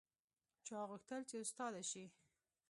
چا غوښتل چې استاده شي